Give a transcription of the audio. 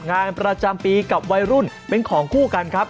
งานประจำปีกับวัยรุ่นเป็นของคู่กันครับ